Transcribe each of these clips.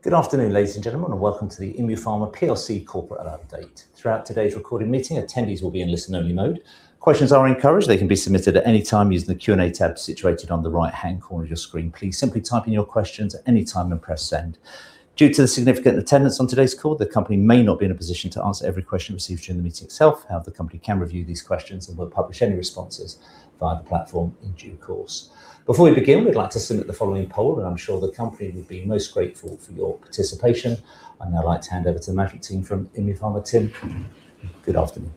Good afternoon, ladies and gentlemen, and welcome to the ImmuPharma PLC Corporate Update. Throughout today's recorded meeting, attendees will be in listen-only mode. Questions are encouraged. They can be submitted at any time using the Q&A tab situated on the right-hand corner of your screen. Please simply type in your questions at any time and press Send. Due to the significant attendance on today's call, the company may not be in a position to answer every question received during the meeting itself. However, the company can review these questions and will publish any responses via the platform in due course. Before we begin, we'd like to submit the following poll, and I'm sure the company would be most grateful for your participation. I'd now like to hand over to the management team from ImmuPharma PLC. Tim, good afternoon.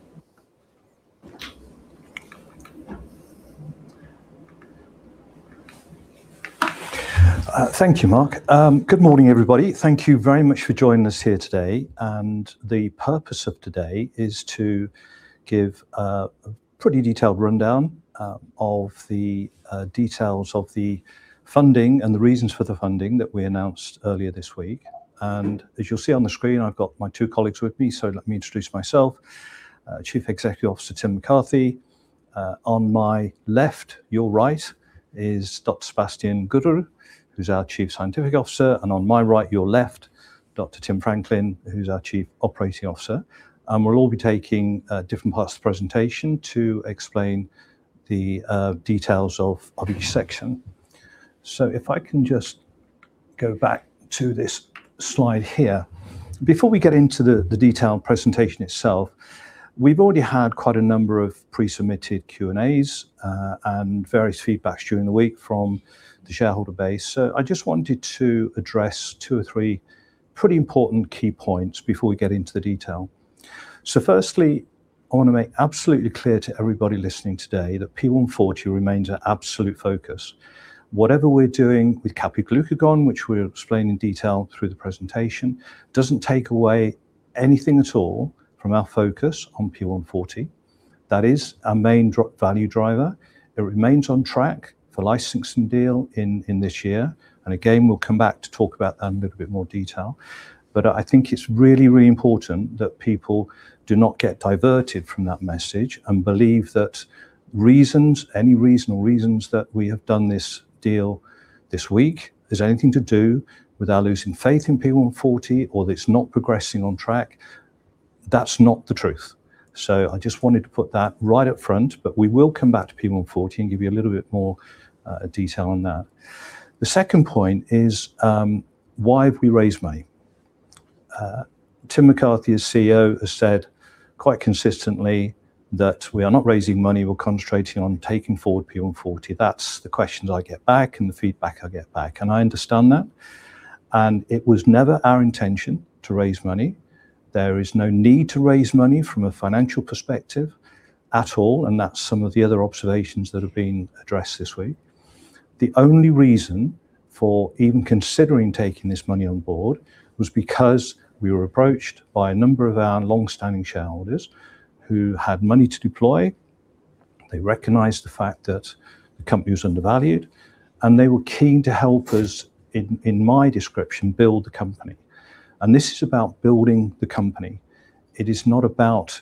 Thank you, Mark. Good morning, everybody. Thank you very much for joining us here today. The purpose of today is to give a pretty detailed rundown of the details of the funding and the reasons for the funding that we announced earlier this week. As you'll see on the screen, I've got my two colleagues with me. Let me introduce myself, Chief Executive Officer, Tim McCarthy. On my left, your right is Dr. Sébastien Goudreau, who's our Chief Scientific Officer. On my right, your left, Dr. Tim Franklin, who's our Chief Operating Officer. We'll all be taking different parts of the presentation to explain the details of each section. If I can just go back to this slide here. Before we get into the detailed presentation itself, we've already had quite a number of pre-submitted Q&As and various feedbacks during the week from the shareholder base. I just wanted to address two or three pretty important key points before we get into the detail. Firstly, I wanna make absolutely clear to everybody listening today that P140 remains our absolute focus. Whatever we're doing with Kapiglucagon, which we'll explain in detail through the presentation, doesn't take away anything at all from our focus on P140. That is our main value driver. It remains on track for licensing deal in this year. Again, we'll come back to talk about that in a little bit more detail. I think it's really, really important that people do not get diverted from that message and believe that reasons, any reason or reasons that we have done this deal this week has anything to do with our losing faith in P140 or that it's not progressing on track. That's not the truth. I just wanted to put that right up front, but we will come back to P140 and give you a little bit more detail on that. The second point is, why have we raised money? Tim McCarthy as CEO has said quite consistently that we are not raising money. We're concentrating on taking forward P140. That's the questions I get back and the feedback I get back, and I understand that. It was never our intention to raise money. There is no need to raise money from a financial perspective at all, and that's some of the other observations that have been addressed this week. The only reason for even considering taking this money on board was because we were approached by a number of our long-standing shareholders who had money to deploy. They recognized the fact that the company was undervalued, and they were keen to help us, in my description, build the company. This is about building the company. It is not about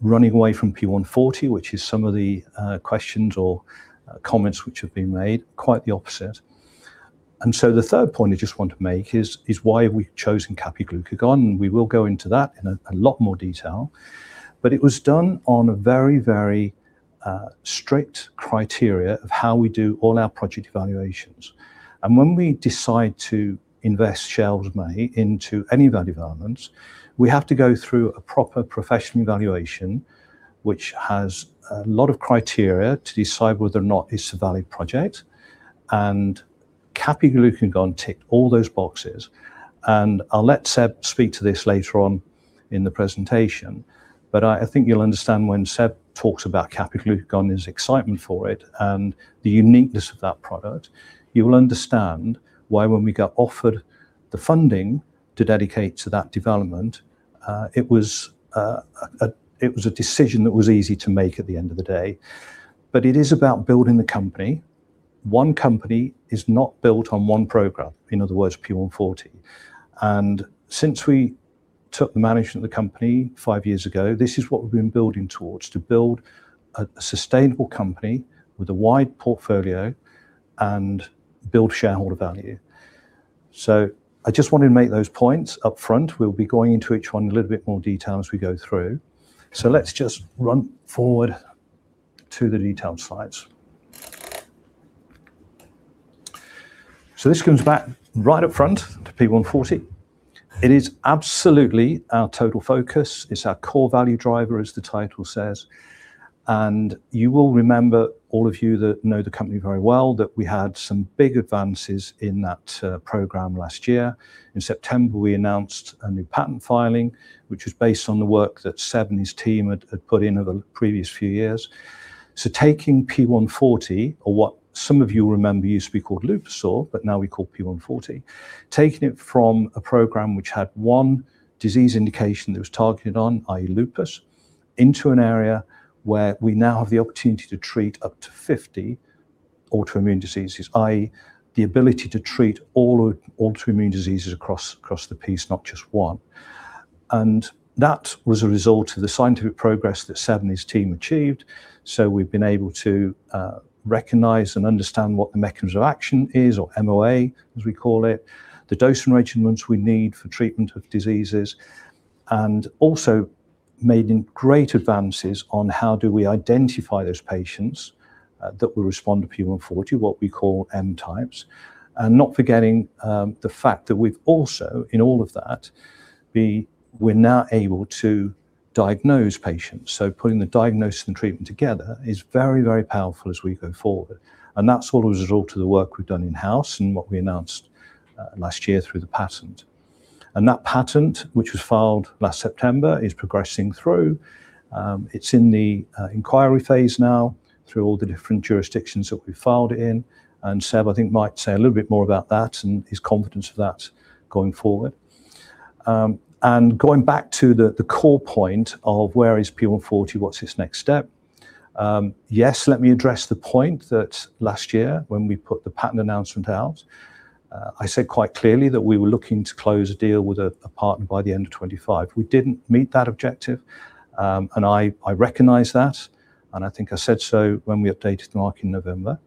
running away from P140, which is some of the questions or comments which have been made, quite the opposite. The third point I just want to make is why have we chosen Kapiglucagon? We will go into that in a lot more detail. It was done on a very, very strict criteria of how we do all our project evaluations. When we decide to invest shareholders' money into any of our developments, we have to go through a proper professional evaluation, which has a lot of criteria to decide whether or not it's a valid project. Kapiglucagon ticked all those boxes. I'll let Sébastien speak to this later on in the presentation. I think you'll understand when Sébastien talks about Kapiglucagon, his excitement for it and the uniqueness of that product. You will understand why when we got offered the funding to dedicate to that development, it was a decision that was easy to make at the end of the day. It is about building the company. One company is not built on one program, in other words, P140. Since we took the management of the company five years ago, this is what we've been building towards, to build a sustainable company with a wide portfolio and build shareholder value. I just wanted to make those points up front. We'll be going into each one in a little bit more detail as we go through. Let's just run forward to the detailed slides. This comes back right up front to P140. It is absolutely our total focus. It's our core value driver, as the title says. You will remember, all of you that know the company very well, that we had some big advances in that program last year. In September, we announced a new patent filing, which was based on the work that Sébastien and his team had put in over the previous few years. Taking P140, or what some of you remember used to be called Lupuzor, but now we call P140, taking it from a program which had one disease indication that it was targeted on, i.e. Lupus, into an area where we now have the opportunity to treat up to 50 autoimmune diseases, i.e. the ability to treat all autoimmune diseases across the piece, not just one. That was a result of the scientific progress that Sébastien and his team achieved so we've been able to recognize and understand what the mechanism of action is or MOA as we call it, the dosing regimens we need for treatment of diseases and also made great advances on how do we identify those patients that will respond to P140, what we call Type M. Not forgetting the fact that we've also in all of that we're now able to diagnose patients. Putting the diagnosis and treatment together is very, very powerful as we go forward. That's all as a result to the work we've done in-house and what we announced last year through the patent. That patent, which was filed last September, is progressing through. It's in the inquiry phase now through all the different jurisdictions that we filed it in, and Sébastien I think might say a little bit more about that and his confidence of that going forward. Going back to the core point of where is P140, what's its next step? Yes, let me address the point that last year when we put the patent announcement out, I said quite clearly that we were looking to close a deal with a partner by the end of 2025. We didn't meet that objective, and I recognize that, and I think I said so when we updated the market in November.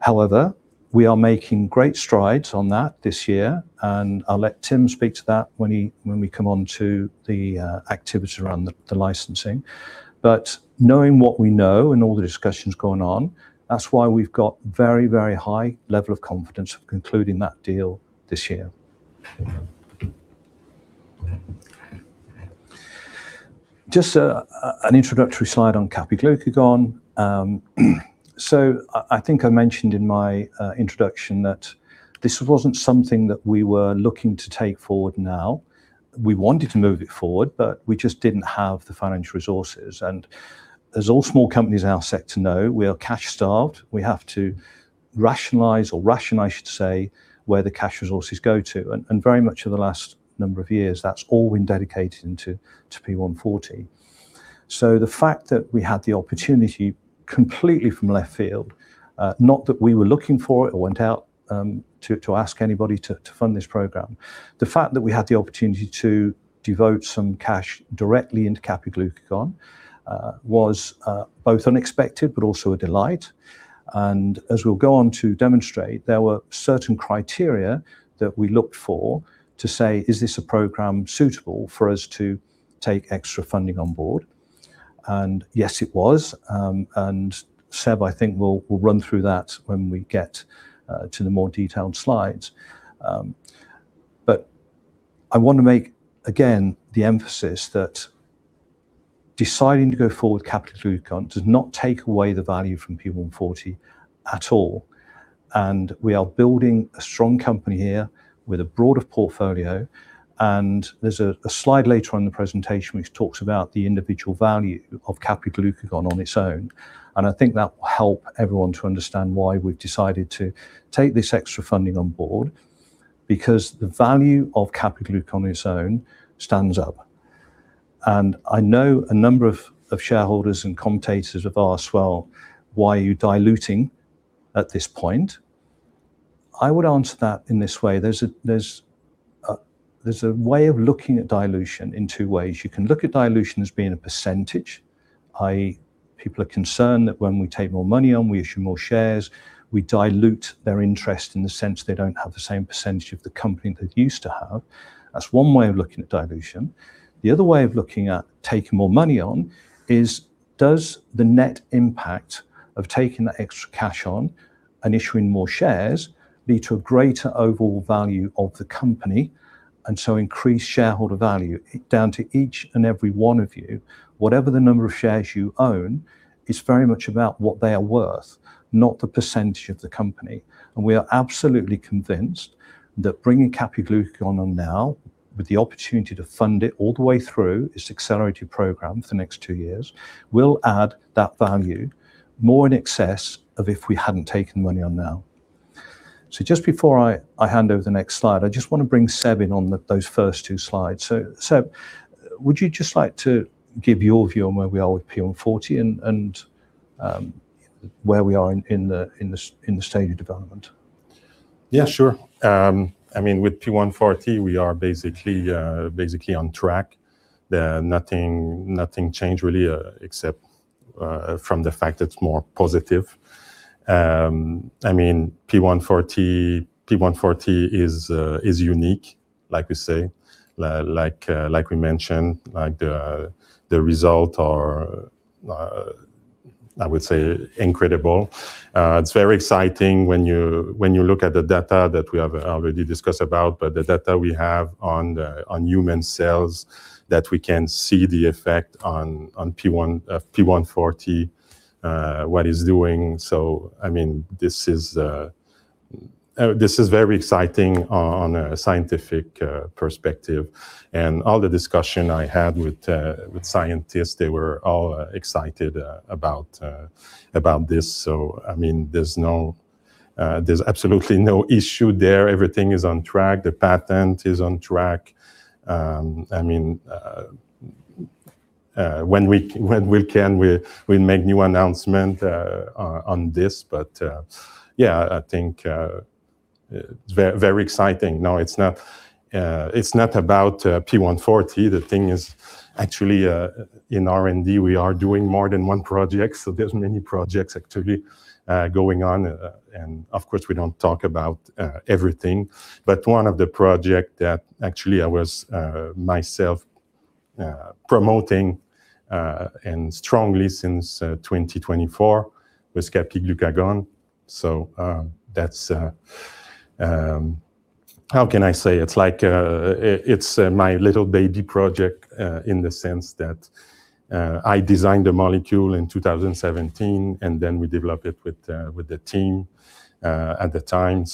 However, we are making great strides on that this year, and I'll let Tim speak to that when we come on to the activity around the licensing. Knowing what we know and all the discussions going on, that's why we've got very, very high level of confidence of concluding that deal this year. Just, an introductory slide on Kapiglucagon. So I think I mentioned in my introduction that this wasn't something that we were looking to take forward now. We wanted to move it forward, but we just didn't have the financial resources. As all small companies in our sector know, we are cash-starved. We have to rationalize or ration, I should say, where the cash resources go to. Very much in the last number of years, that's all been dedicated into P140. The fact that we had the opportunity completely from left field, not that we were looking for it or went out, to ask anybody to fund this program. The fact that we had the opportunity to devote some cash directly into Kapiglucagon was both unexpected but also a delight. As we'll go on to demonstrate, there were certain criteria that we looked for to say, is this a program suitable for us to take extra funding on board? Yes, it was. Sébastien, I think, will run through that when we get to the more detailed slides. I want to make again the emphasis that deciding to go forward with Kapiglucagon does not take away the value from P140 at all. We are building a strong company here with a broader portfolio and there's a slide later on in the presentation which talks about the individual value of Kapiglucagon on its own. I think that will help everyone to understand why we've decided to take this extra funding on board because the value of Kapiglucagon on its own stands up. I know a number of shareholders and commentators have asked, "Well, why are you diluting at this point?" I would answer that in this way. There's a way of looking at dilution in two ways. You can look at dilution as being a percentage. i.e. people are concerned that when we take more money on, we issue more shares, we dilute their interest in the sense they don't have the same percentage of the company they used to have. That's one way of looking at dilution. The other way of looking at taking more money on is does the net impact of taking that extra cash on and issuing more shares lead to a greater overall value of the company and so increase shareholder value? Down to each and every one of you, whatever the number of shares you own is very much about what they are worth, not the percentage of the company. We are absolutely convinced that bringing Kapiglucagon on now with the opportunity to fund it all the way through this accelerated program for the next two years will add that value more in excess of if we hadn't taken money on now. Just before I hand over the next slide, I just want to bring Sébastien in on those first two slides. Sébastien, would you just like to give your view on where we are with P140 and where we are in the stage of development? Yeah, sure. I mean, with P140, we are basically on track. Nothing changed really, except from the fact it's more positive. I mean, P140 is unique, like we mentioned, like the results are, I would say incredible. It's very exciting when you look at the data that we have already discussed about, but the data we have on human cells that we can see the effect on P140, what it's doing. I mean, this is very exciting on a scientific perspective. All the discussion I had with scientists, they were all excited about this. I mean, there's absolutely no issue there. Everything is on track. The patent is on track. I mean, when we can, we'll make new announcement on this. Yeah, I think very exciting. No, it's not about P140. The thing is actually in R&D, we are doing more than one project. There's many projects actually going on. And of course, we don't talk about everything. One of the project that actually I was myself promoting and strongly since 2024 was Kapiglucagon. That's. How can I say? It's like, it's my little baby project, in the sense that, I designed the molecule in 2017, and then we developed it with the team at the time.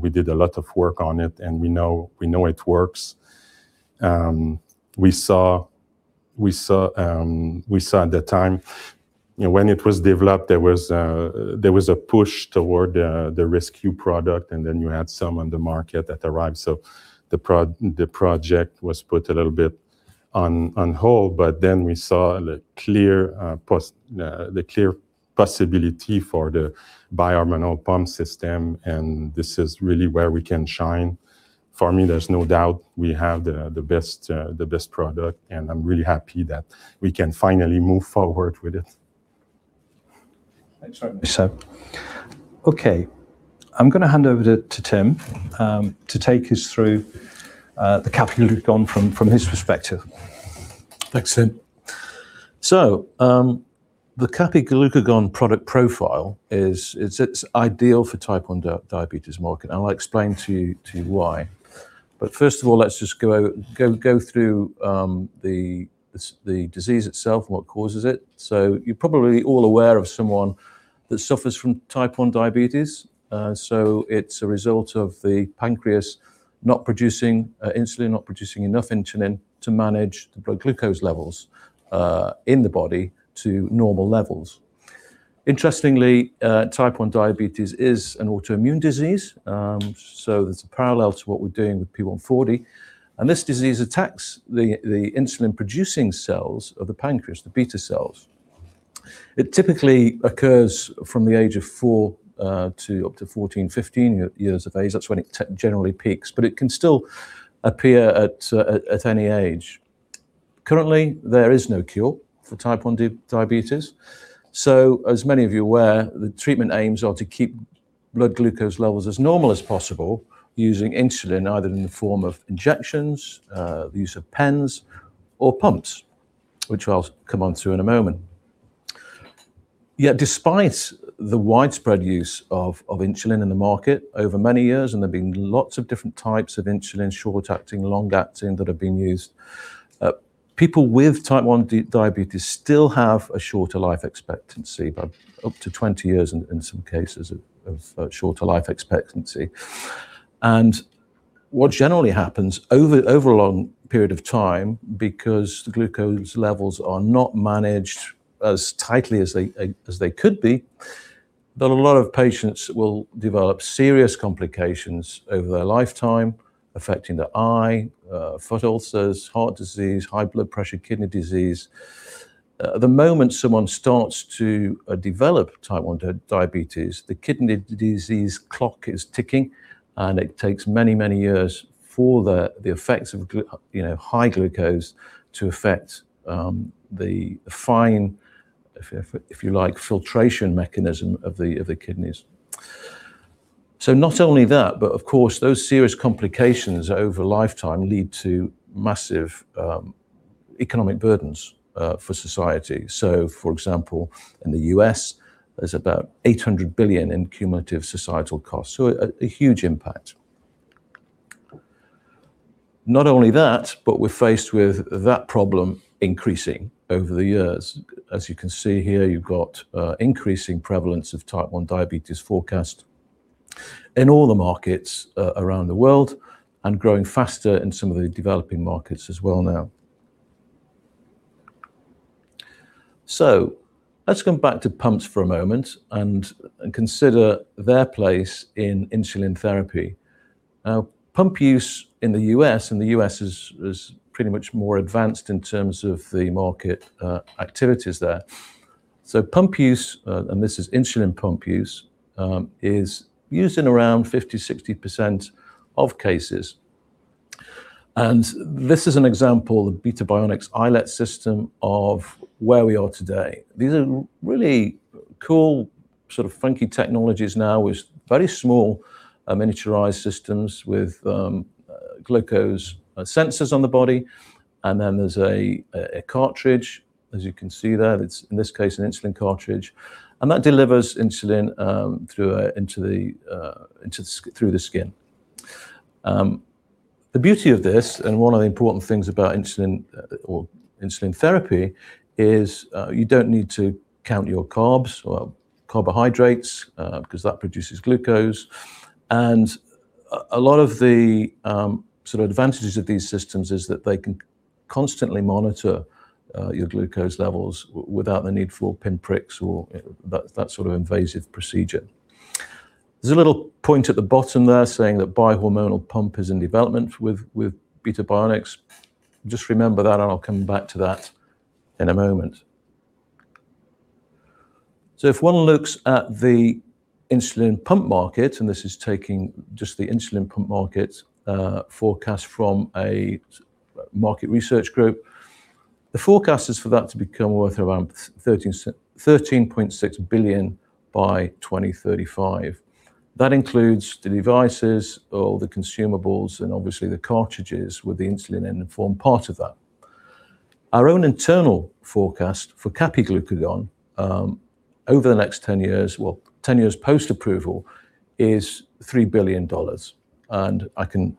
We did a lot of work on it, and we know it works. We saw at that time, you know, when it was developed, there was a push toward the rescue product, and then you had some on the market that arrived. The project was put a little bit on hold, but then we saw the clear possibility for the bi-hormonal pump system, and this is really where we can shine. For me, there's no doubt we have the best product, and I'm really happy that we can finally move forward with it. Thanks very much, Sébastien. Okay, I'm gonna hand over to Tim to take us through the Kapiglucagon from his perspective. Thanks, Tim. The Kapiglucagon product profile is. It's ideal for Type I diabetes market. I'll explain to you why. First of all, let's just go through the disease itself and what causes it. You're probably all aware of someone that suffers from Type I diabetes. It's a result of the pancreas not producing insulin, not producing enough insulin to manage the blood glucose levels in the body to normal levels. Interestingly, Type I diabetes is an autoimmune disease, so there's a parallel to what we're doing with P140. This disease attacks the insulin producing cells of the pancreas, the beta cells. It typically occurs from the age of four years to up to 14 years, 15 years of age. That's when it generally peaks, but it can still appear at any age. Currently, there is no cure for Type I diabetes. As many of you are aware, the treatment aims are to keep blood glucose levels as normal as possible using insulin, either in the form of injections, the use of pens or pumps, which I'll come onto in a moment. Yet despite the widespread use of insulin in the market over many years, and there've been lots of different types of insulin, short acting, long acting that have been used, people with Type I diabetes still have a shorter life expectancy, by up to 20 years in some cases of shorter life expectancy. What generally happens over a long period of time, because the glucose levels are not managed as tightly as they could be, that a lot of patients will develop serious complications over their lifetime, affecting their eye, foot ulcers, heart disease, high blood pressure, kidney disease. The moment someone starts to develop Type I diabetes, the kidney disease clock is ticking, and it takes many, many years for the effects of you know, high glucose to affect the fine, if you like, filtration mechanism of the kidneys. Not only that, but of course, those serious complications over a lifetime lead to massive economic burdens for society. For example, in the U.S., there's about 800 billion in cumulative societal costs. A huge impact. Not only that, but we're faced with that problem increasing over the years. As you can see here, you've got increasing prevalence of Type I diabetes forecast in all the markets around the world and growing faster in some of the developing markets as well now. Let's come back to pumps for a moment and consider their place in insulin therapy. Now, pump use in the U.S., and the U.S. is pretty much more advanced in terms of the market activities there. Pump use, and this is insulin pump use, is used in around 50%-60% of cases. This is an example of Beta Bionics' iLet system of where we are today. These are really cool sort of funky technologies now with very small miniaturized systems with glucose sensors on the body, and then there's a cartridge, as you can see there. It's in this case an insulin cartridge, and that delivers insulin through into the skin. The beauty of this, and one of the important things about insulin or insulin therapy is you don't need to count your carbs or carbohydrates because that produces glucose. A lot of the sort of advantages of these systems is that they can constantly monitor your glucose levels without the need for pinpricks or that sort of invasive procedure. There's a little point at the bottom there saying that bi-hormonal pump is in development with Beta Bionics. Just remember that, and I'll come back to that in a moment. If one looks at the insulin pump market, and this is taking just the insulin pump market, forecast from a market research group, the forecast is for that to become worth around 13.6 billion by 2035. That includes the devices or the consumables and obviously the cartridges with the insulin in them form part of that. Our own internal forecast for Kapiglucagon, over the next 10 years, well, 10 years post-approval, is $3 billion. I can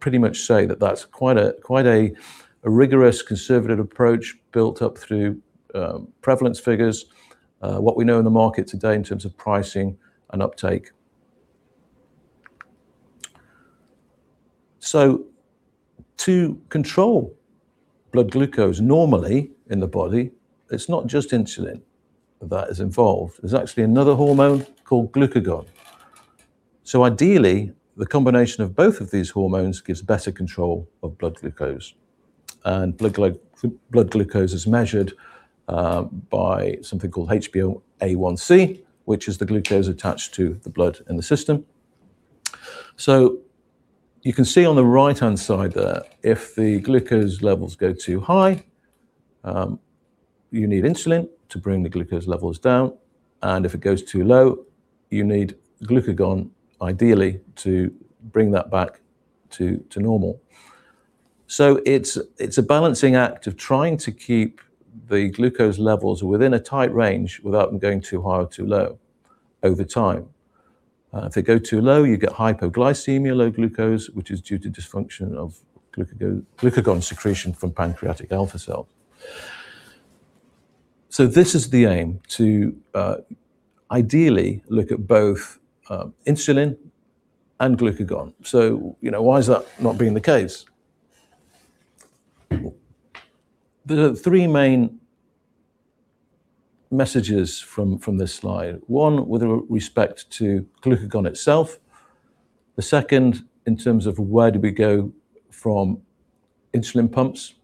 pretty much say that that's quite a rigorous conservative approach built up through, prevalence figures, what we know in the market today in terms of pricing and uptake. To control blood glucose normally in the body, it's not just insulin that is involved. There's actually another hormone called glucagon. Ideally, the combination of both of these hormones gives better control of blood glucose. Blood glucose is measured by something called HbA1c, which is the glucose attached to the blood in the system. You can see on the right-hand side there, if the glucose levels go too high, you need insulin to bring the glucose levels down. If it goes too low, you need glucagon, ideally, to bring that back to normal. It's a balancing act of trying to keep the glucose levels within a tight range without them going too high or too low over time. If they go too low, you get hypoglycemia, low glucose, which is due to dysfunction of glucagon secretion from pancreatic alpha cell. This is the aim, to ideally look at both insulin and glucagon. You know, why is that not being the case? There are three main messages from this slide. One with respect to glucagon itself, the second in terms of where do we go from insulin pumps,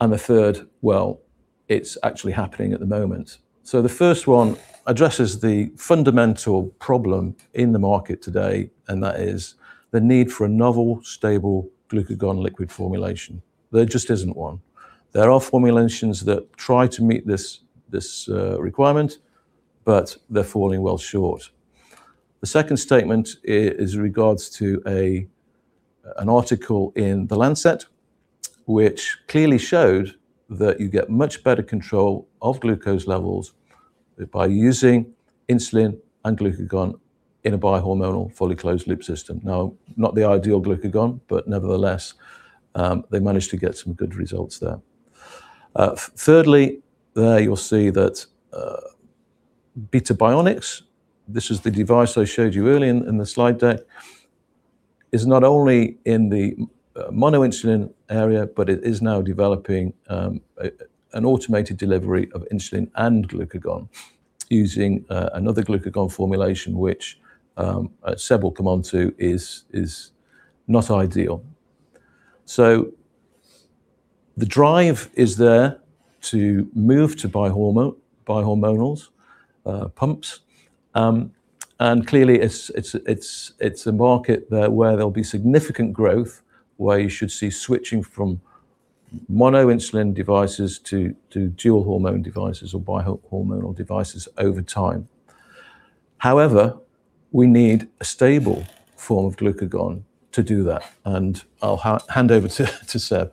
and the third, well, it's actually happening at the moment. The first one addresses the fundamental problem in the market today, and that is the need for a novel, stable glucagon liquid formulation. There just isn't one. There are formulations that try to meet this requirement, but they're falling well short. The second statement is in regards to an article in The Lancet, which clearly showed that you get much better control of glucose levels by using insulin and glucagon in a bi-hormonal fully closed loop system. Now, not the ideal glucagon, but nevertheless, they managed to get some good results there. Thirdly, there you'll see that Beta Bionics, this is the device I showed you earlier in the slide deck, is not only in the mono insulin area, but it is now developing an automated delivery of insulin and glucagon using another glucagon formulation which Sébastien will come on to, is not ideal. The drive is there to move to bi-hormonal pumps. And clearly it's a market there where there'll be significant growth, where you should see switching from mono insulin devices to dual hormone devices or bi-hormonal devices over time. However, we need a stable form of glucagon to do that. I'll hand over to Sébastien.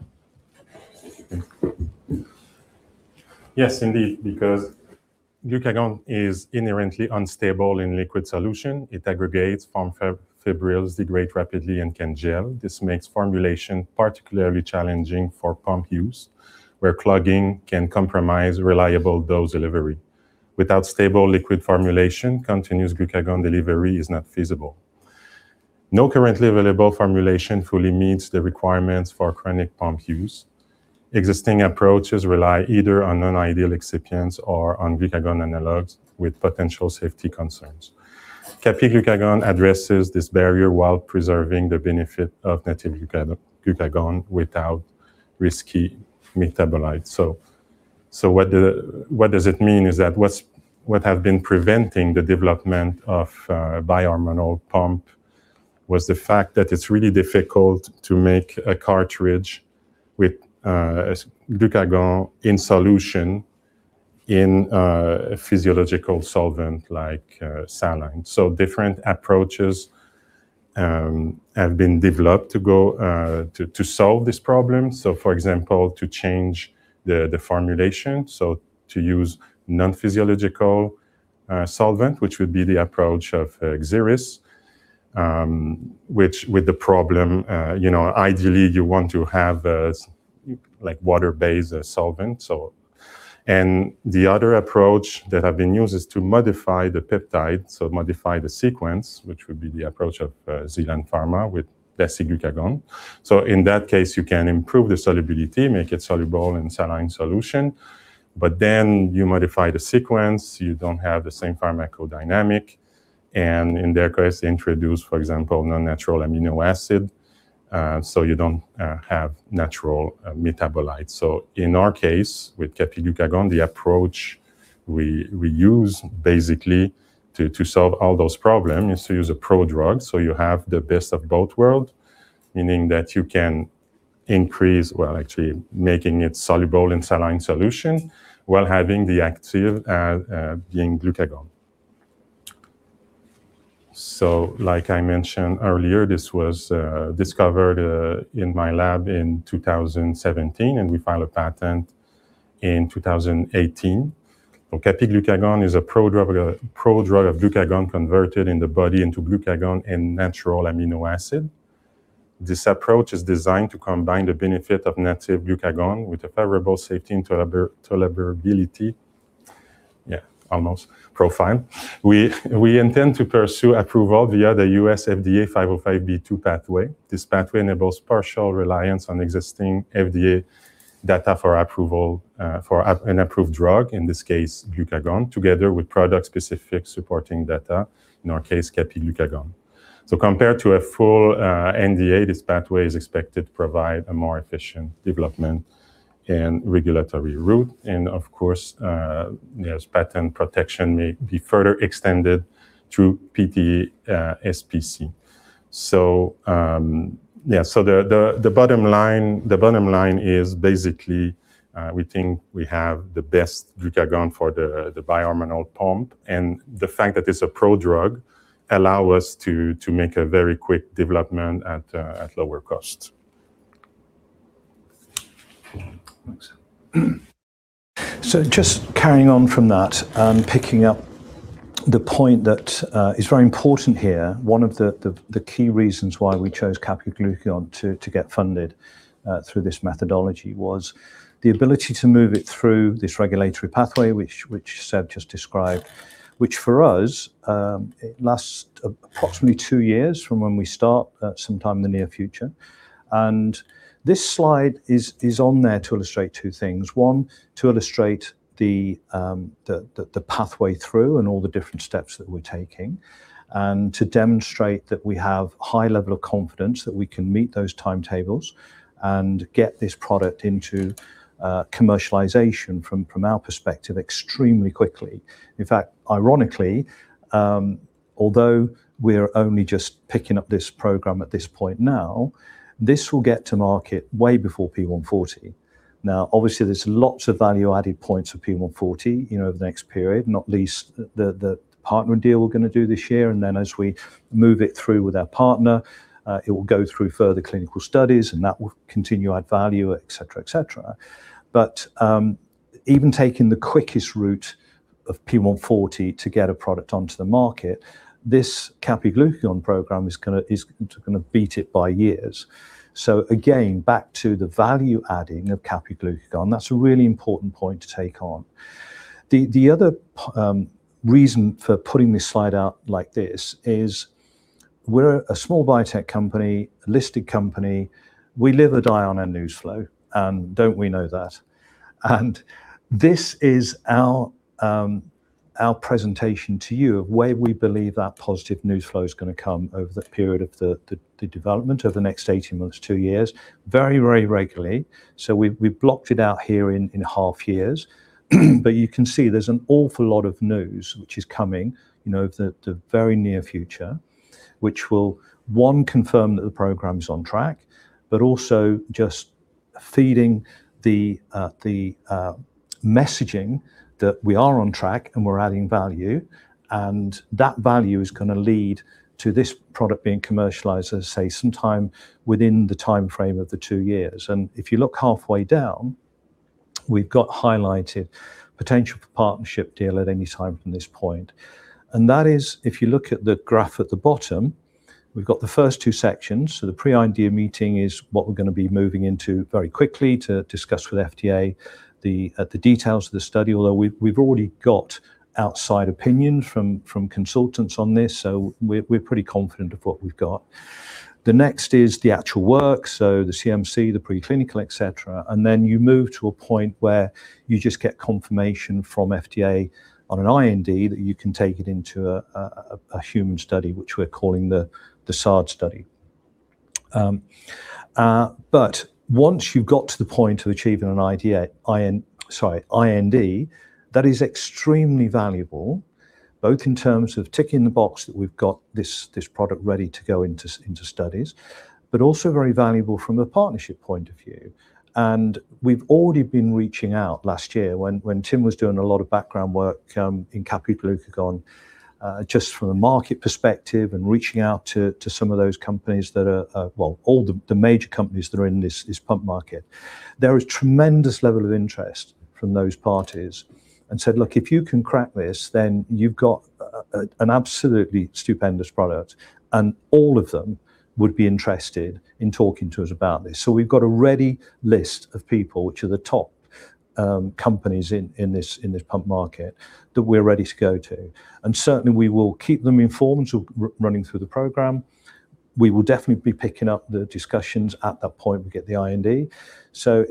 Yes, indeed, because glucagon is inherently unstable in liquid solution. It aggregates, forms fibrils, degrades rapidly, and can gel. This makes formulation particularly challenging for pump use, where clogging can compromise reliable dose delivery. Without stable liquid formulation, continuous glucagon delivery is not feasible. No currently available formulation fully meets the requirements for chronic pump use. Existing approaches rely either on non-ideal excipients or on glucagon analogs with potential safety concerns. Kapiglucagon addresses this barrier while preserving the benefit of native glucagon without risky metabolites. What does it mean? That is what has been preventing the development of a bi-hormonal pump: the fact that it's really difficult to make a cartridge with glucagon in solution in a physiological solvent like saline. Different approaches have been developed to solve this problem. For example, to change the formulation, to use non-physiological solvent, which would be the approach of Xeris. Which has the problem, you know, ideally you want to have a, like, water-based solvent. The other approach that have been used is to modify the peptide, so modify the sequence, which would be the approach of Zealand Pharma with dasiglucagon. In that case, you can improve the solubility, make it soluble in saline solution, but then you modify the sequence, you don't have the same pharmacodynamic. In their case, they introduce, for example, non-natural amino acid. You don't have natural metabolites. In our case, with Kapiglucagon, the approach we use basically to solve all those problems is to use a prodrug. You have the best of both worlds, meaning that you can increase, well, actually making it soluble in saline solution while having the active being glucagon. Like I mentioned earlier, this was discovered in my lab in 2017, and we filed a patent in 2018. Kapiglucagon is a prodrug of glucagon converted in the body into glucagon and natural amino acid. This approach is designed to combine the benefit of native glucagon with a favorable safety and tolerability, yeah, almost, profile. We intend to pursue approval via the U.S. FDA 505(b)(2) pathway. This pathway enables partial reliance on existing FDA data for approval for an approved drug, in this case, glucagon, together with product-specific supporting data, in our case, Kapiglucagon. Compared to a full NDA, this pathway is expected to provide a more efficient development and regulatory route. Of course, patent protection may be further extended through PTE/SPC. Yeah, so the bottom line is basically we think we have the best glucagon for the bi-hormonal pump. The fact that it's a prodrug allow us to make a very quick development at lower cost. Just carrying on from that, picking up the point that is very important here. One of the key reasons why we chose Kapiglucagon to get funded through this methodology was the ability to move it through this regulatory pathway, which Sébastien just described, which for us, it lasts approximately two years from when we start sometime in the near future. This slide is on there to illustrate two things. One, to illustrate the pathway through and all the different steps that we're taking and to demonstrate that we have high level of confidence that we can meet those timetables and get this product into commercialization from our perspective extremely quickly. In fact, ironically, although we're only just picking up this program at this point now, this will get to market way before P140. Now, obviously, there's lots of value added points for P140 over the next period, not least the partner deal we're going to do this year. As we move it through with our partner, it will go through further clinical studies and that will continue to add value, et cetera, et cetera. Even taking the quickest route of P140 to get a product onto the market, this Kapiglucagon program is going to beat it by years. Again, back to the value adding of Kapiglucagon, that's a really important point to take on. The other reason for putting this slide out like this is we're a small biotech company, a listed company. We live or die on our news flow and don't we know that? This is our presentation to you of where we believe that positive news flow is going to come over the period of the development of the next 18 months, two years, very, very regularly. We've blocked it out here in 1/2 years. You can see there's an awful lot of news which is coming over the very near future, which will, one, confirm that the program is on track, but also just feeding the messaging that we are on track and we're adding value. That value is going to lead to this product being commercialized, as I say, sometime within the time frame of the two years. If you look halfway down, we've got highlighted potential for partnership deal at any time from this point. That is, if you look at the graph at the bottom, we've got the first two sections. The pre-IND meeting is what we're going to be moving into very quickly to discuss with FDA the details of the study, although we've already got outside opinion from consultants on this. We're pretty confident of what we've got. The next is the actual work. The CMC, the preclinical, et cetera. Then you move to a point where you just get confirmation from FDA on an IND that you can take it into a human study, which we're calling the SAD study. Once you've got to the point of achieving an IND, that is extremely valuable, both in terms of ticking the box that we've got this product ready to go into studies, but also very valuable from a partnership point of view. We've already been reaching out last year when Tim was doing a lot of background work in Kapiglucagon just from a market perspective and reaching out to some of those companies that are, well, all the major companies that are in this pump market. There is tremendous level of interest from those parties and said, look, if you can crack this, then you've got an absolutely stupendous product. All of them would be interested in talking to us about this. We've got a ready list of people, which are the top companies in this pump market that we're ready to go to. Certainly we will keep them informed running through the program. We will definitely be picking up the discussions at that point we get the IND.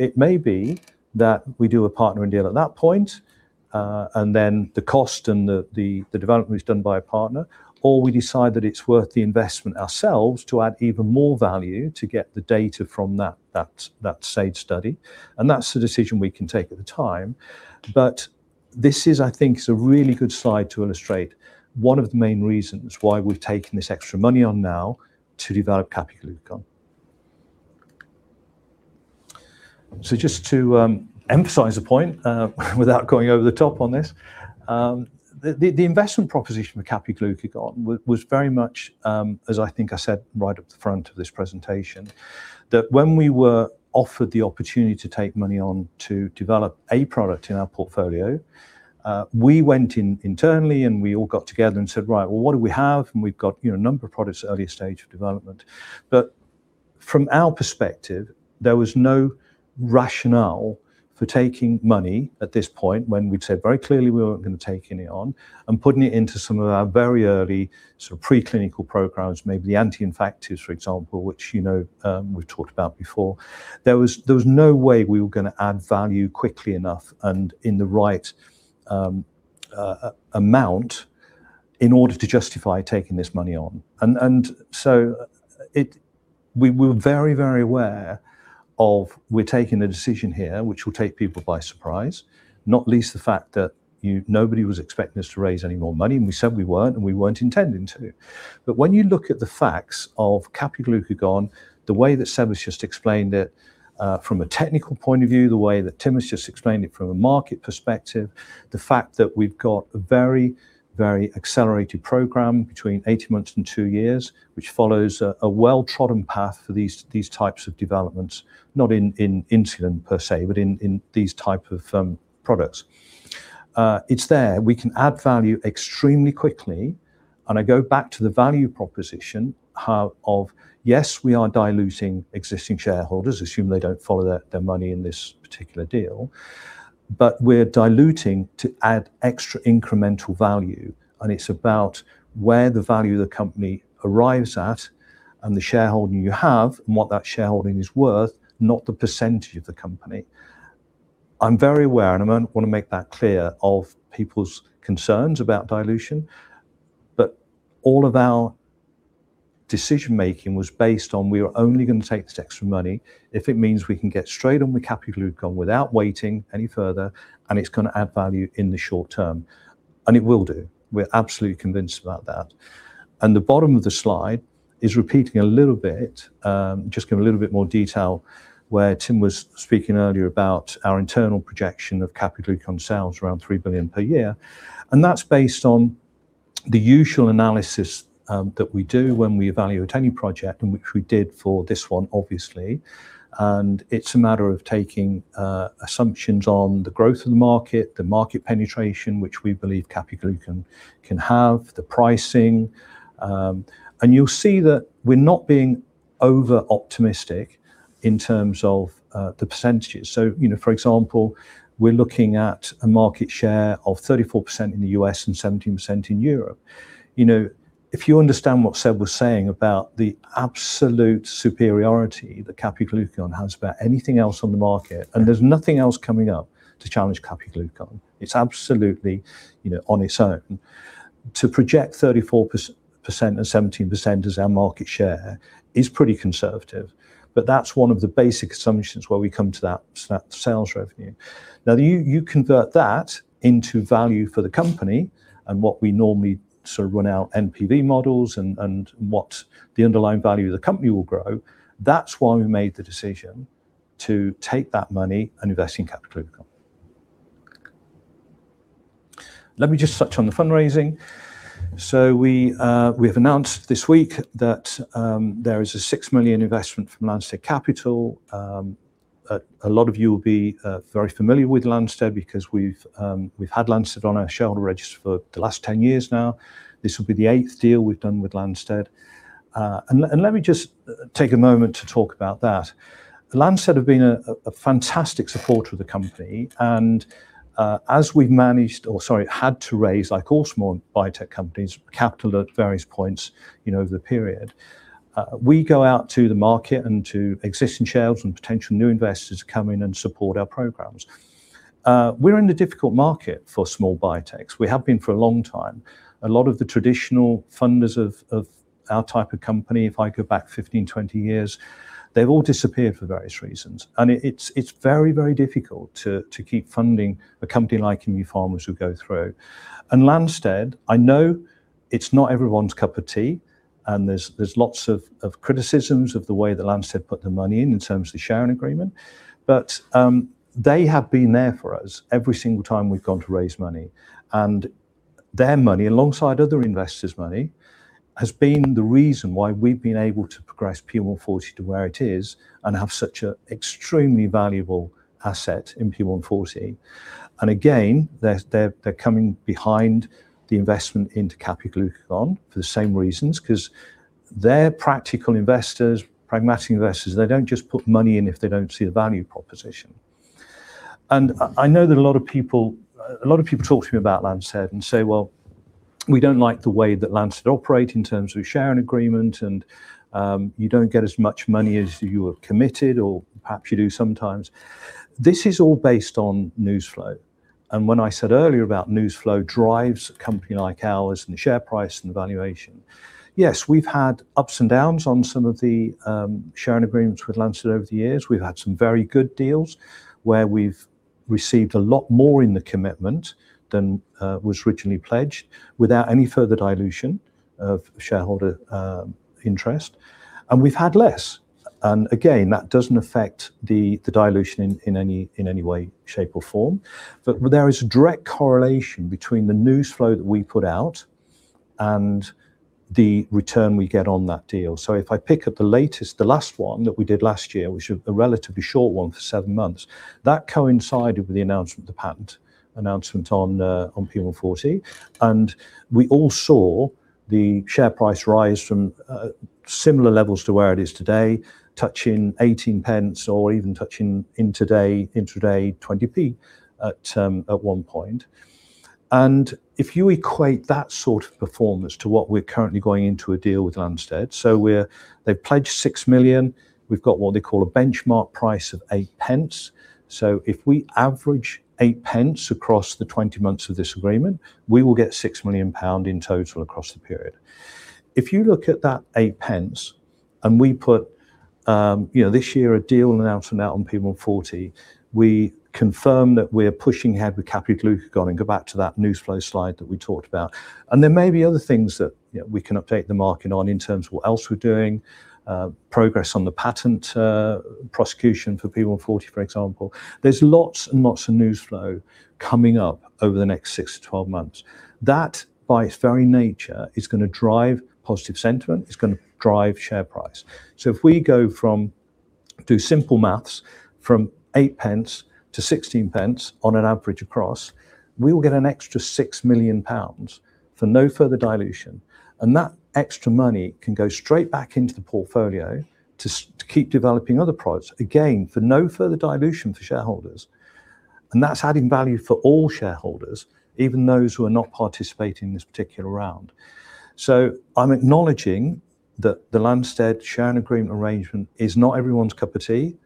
It may be that we do a partner deal at that point, and then the cost and the development is done by a partner, or we decide that it's worth the investment ourselves to add even more value to get the data from that stage study. That's the decision we can take at the time. This is, I think, a really good slide to illustrate one of the main reasons why we've taken this extra money on now to develop Kapiglucagon. Just to emphasize a point without going over the top on this, the investment proposition with Kapiglucagon was very much, as I think I said right up the front of this presentation, that when we were offered the opportunity to take money on to develop a product in our portfolio, we went in internally and we all got together and said, "Right, well, what do we have?" We've got, you know, a number of products at early stage of development. From our perspective, there was no rationale for taking money at this point when we'd said very clearly we weren't gonna take any on and putting it into some of our very early sort of preclinical programs, maybe the anti-infectives, for example, which, you know, we've talked about before. There was no way we were gonna add value quickly enough and in the right amount in order to justify taking this money on. We were very aware of we're taking a decision here which will take people by surprise, not least the fact that nobody was expecting us to raise any more money, and we said we weren't, and we weren't intending to. When you look at the facts of Kapiglucagon, the way that Sébastien has just explained it from a technical point of view, the way that Tim has just explained it from a market perspective, the fact that we've got a very, very accelerated program between 18 months and two years, which follows a well-trodden path for these types of developments, not in insulin per se, but in these type of products. It's there. We can add value extremely quickly. I go back to the value proposition of yes, we are diluting existing shareholders, assume they don't follow their money in this particular deal, but we're diluting to add extra incremental value. It's about where the value of the company arrives at and the shareholding you have and what that shareholding is worth, not the percentage of the company. I'm very aware, and I want to make that clear, of people's concerns about dilution. All of our decision-making was based on we are only gonna take this extra money if it means we can get straight on with Kapiglucagon without waiting any further and it's gonna add value in the short term. It will do. We're absolutely convinced about that. The bottom of the slide is repeating a little bit, just giving a little bit more detail where Tim was speaking earlier about our internal projection of Kapiglucagon sales around 3 billion per year. That's based on the usual analysis, that we do when we evaluate any project, and which we did for this one, obviously. It's a matter of taking assumptions on the growth of the market, the market penetration, which we believe Kapiglucagon can have, the pricing, and you'll see that we're not being over-optimistic in terms of the percentages. You know, for example, we're looking at a market share of 34% in the U.S. and 17% in Europe. You know, if you understand what Sébastien was saying about the absolute superiority that Kapiglucagon has about anything else on the market, and there's nothing else coming up to challenge Kapiglucagon. It's absolutely, you know, on its own. To project 34% and 17% as our market share is pretty conservative, but that's one of the basic assumptions where we come to that sales revenue. Now, you convert that into value for the company and what we normally sort of run our NPV models and what the underlying value of the company will grow. That's why we made the decision to take that money and invest it in Kapiglucagon. Let me just touch on the fundraising. We have announced this week that there is a 6 million investment from Lanstead Capital. A lot of you will be very familiar with Lanstead because we've had Lanstead on our shareholder register for the last 10 years now. This will be the eighth deal we've done with Lanstead. Let me just take a moment to talk about that. Lanstead have been a fantastic supporter of the company, and as we've had to raise, like all small biotech companies, capital at various points, you know, over the period, we go out to the market and to existing shareholders and potential new investors to come in and support our programs. We're in a difficult market for small biotechs. We have been for a long time. A lot of the traditional funders of our type of company, if I go back 15 years, 20 years, they've all disappeared for various reasons. It's very, very difficult to keep funding a company like ImmuPharma to go through. Lanstead, I know it's not everyone's cup of tea, and there's lots of criticisms of the way that Lanstead put their money in terms of the sharing agreement, but they have been there for us every single time we've gone to raise money. Their money, alongside other investors' money, has been the reason why we've been able to progress P140 to where it is and have such an extremely valuable asset in P140. Again, they're coming behind the investment into Kapiglucagon for the same reasons, 'cause they're practical investors, pragmatic investors. They don't just put money in if they don't see the value proposition. I know that a lot of people talk to me about Lanstead and say, "Well, we don't like the way that Lanstead operate in terms of sharing agreement, and you don't get as much money as you have committed, or perhaps you do sometimes." This is all based on news flow. When I said earlier about news flow drives a company like ours and the share price and the valuation. Yes, we've had ups and downs on some of the sharing agreements with Lanstead over the years. We've had some very good deals where we've received a lot more in the commitment than was originally pledged without any further dilution of shareholder interest. We've had less. Again, that doesn't affect the dilution in any way, shape, or form. There is a direct correlation between the news flow that we put out and the return we get on that deal. If I pick up the latest, the last one that we did last year, which was a relatively short one for seven months, that coincided with the announcement of the patent announcement on P140. We all saw the share price rise from similar levels to where it is today, touching 0.18 Or even touching intra-day 20p at one point. If you equate that sort of performance to what we're currently going into a deal with Lanstead, they've pledged 6 million. We've got what they call a benchmark price of 0.08. If we average 0.08 Across the 20 months of this agreement, we will get 6 million pound in total across the period. If you look at that 0.08 And we put this year a deal announcement out on P140, we confirm that we're pushing ahead with Kapiglucagon and go back to that news flow slide that we talked about. There may be other things that we can update the market on in terms of what else we're doing, progress on the patent prosecution for P140, for example. There's lots and lots of news flow coming up over the next six months-12 months. That by its very nature is gonna drive positive sentiment. It's gonna drive share price. If we go from doing simple math from 0.08-0.16 On average across, we will get an extra 6 million pounds for no further dilution. That extra money can go straight back into the portfolio to keep developing other products, again, for no further dilution for shareholders. That's adding value for all shareholders, even those who are not participating in this particular round. I'm acknowledging that the Lanstead sharing agreement arrangement is not everyone's cup of tea.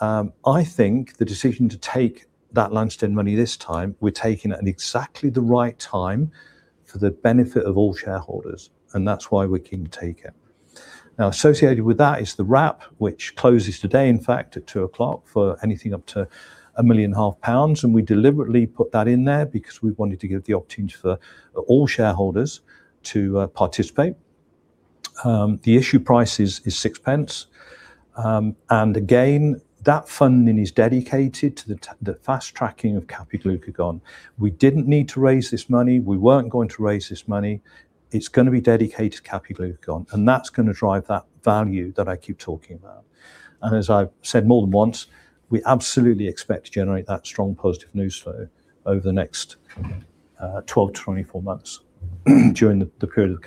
I think the decision to take that Lanstead money this time, we're taking it at exactly the right time for the benefit of all shareholders, and that's why we're keen to take it. Now, associated with that is the wrap, which closes today, in fact, at 2:00 P.M. for anything up to 1.5 million. We deliberately put that in there because we wanted to give the opportunity for all shareholders to participate. The issue price is 0.06. Again, that funding is dedicated to the fast-tracking of Kapiglucagon. We didn't need to raise this money. We weren't going to raise this money. It's gonna be dedicated to Kapiglucagon, and that's gonna drive that value that I keep talking about. As I've said more than once, we absolutely expect to generate that strong positive news flow over the next 12 months-24 months during the period of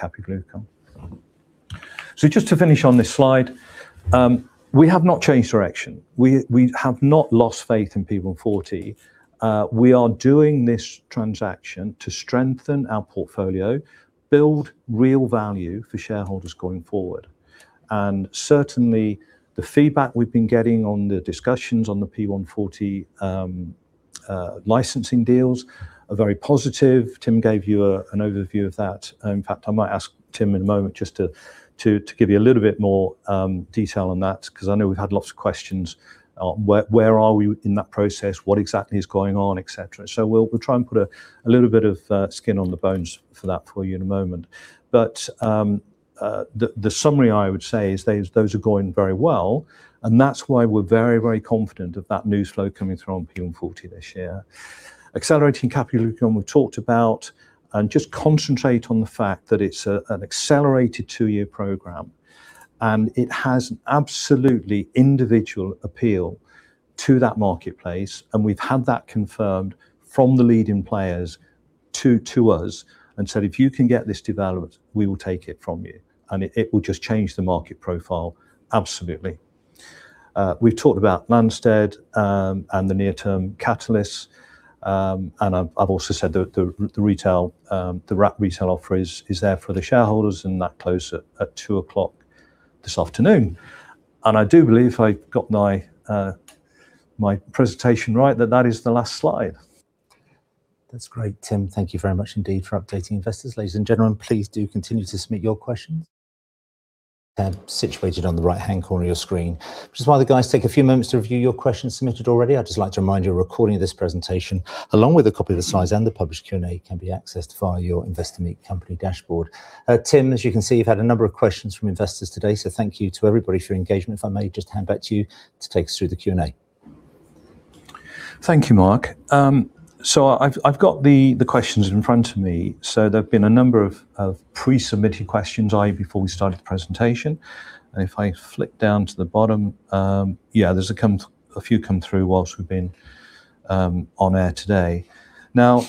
Kapiglucagon. Just to finish on this slide, we have not changed direction. We have not lost faith in P140. We are doing this transaction to strengthen our portfolio, build real value for shareholders going forward. Certainly, the feedback we've been getting on the discussions on the P140, licensing deals are very positive. Tim gave you an overview of that. In fact, I might ask Tim in a moment just to give you a little bit more detail on that because I know we've had lots of questions on where we are in that process, what exactly is going on, et cetera. We'll try and put a little bit of skin on the bones for that for you in a moment. The summary I would say is those are going very well. That's why we're very confident of that news flow coming through on P140 this year. Accelerating Kapiglucagon, we've talked about, and just concentrate on the fact that it's an accelerated two-year program. It has absolutely individual appeal to that marketplace. We've had that confirmed from the leading players to us and said, "If you can get this development, we will take it from you." It will just change the market profile absolutely. We've talked about Lanstead and the near-term catalysts. I've also said the wrap retail offer is there for the shareholders, and that close at 2:00PM this afternoon. I do believe I got my presentation right, that is the last slide. That's great, Tim. Thank you very much indeed for updating investors. Ladies and gentlemen, please do continue to submit your questions. Tab situated on the right-hand corner of your screen. Just while the guys take a few moments to review your questions submitted already, I'd just like to remind you a recording of this presentation, along with a copy of the slides and the published Q&A, can be accessed via your Investor Meet Company dashboard. Tim, as you can see, you've had a number of questions from investors today, so thank you to everybody for your engagement. If I may just hand back to you to take us through the Q&A. Thank you, Mark. I've got the questions in front of me. There have been a number of pre-submitted questions, i.e., before we started the presentation. If I flick down to the bottom, there's a few come through while we've been on air today. Now,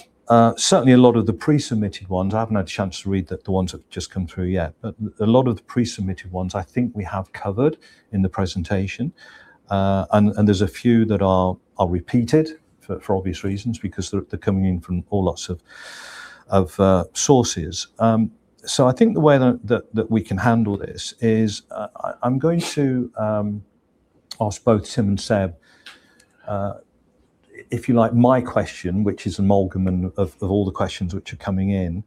certainly a lot of the pre-submitted ones, I haven't had a chance to read the ones that have just come through yet. A lot of the pre-submitted ones I think we have covered in the presentation. And there's a few that are repeated for obvious reasons because they're coming in from all sorts of sources. I think the way that we can handle this is, I'm going to ask both Tim and Sébastien, if you like my question, which is amalgamation of all the questions which are coming in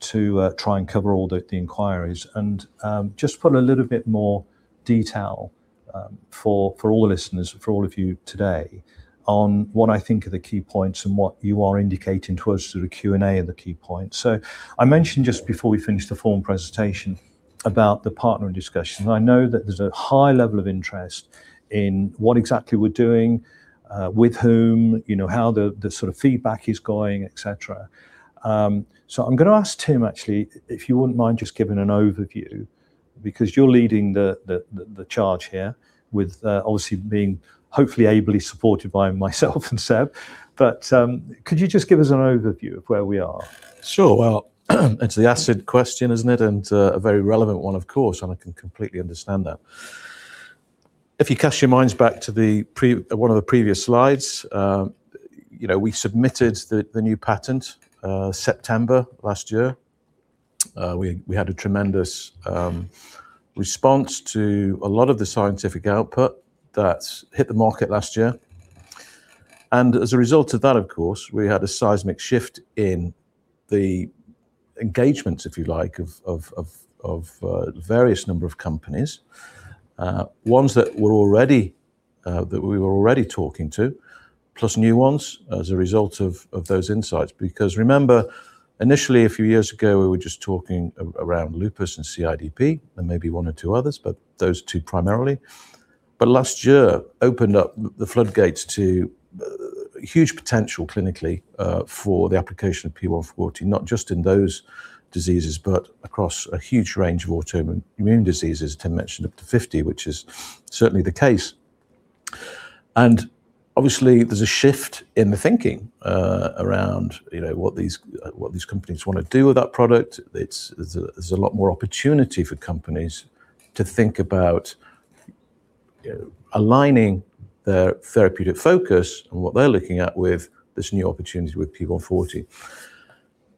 to try and cover all the inquiries and just put a little bit more detail for all the listeners, for all of you today on what I think are the key points and what you are indicating to us through the Q&A are the key points. I mentioned just before we finished the forum presentation about the partnering discussion. I know that there's a high level of interest in what exactly we're doing, with whom, you know, how the sort of feedback is going, et cetera. I'm gonna ask Tim actually, if you wouldn't mind just giving an overview because you're leading the charge here with, obviously being hopefully ably supported by myself and Sébastien. Could you just give us an overview of where we are? Sure. Well, it's the acid question, isn't it? A very relevant one, of course, and I can completely understand that. If you cast your minds back to one of the previous slides, you know, we submitted the new patent September last year. We had a tremendous response to a lot of the scientific output that hit the market last year. As a result of that, of course, we had a seismic shift in the engagement, if you like, of various number of companies, ones that were already that we were already talking to, plus new ones as a result of those insights. Because remember, initially a few years ago, we were just talking around Lupus and CIDP and maybe one or two others, but those two primarily. Last year opened up the floodgates to huge potential clinically for the application of P140, not just in those diseases, but across a huge range of autoimmune diseases. Tim mentioned up to 50, which is certainly the case. Obviously, there's a shift in the thinking around, you know, what these, what these companies wanna do with that product. There's a lot more opportunity for companies to think about, you know, aligning their therapeutic focus and what they're looking at with this new opportunity with P140.